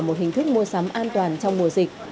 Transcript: một hình thức mua sắm an toàn trong mùa dịch